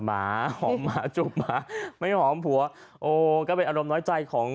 มีคนใจดีก็ตัดสินใจน